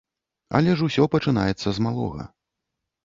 Але ж усё пачынаецца з малога.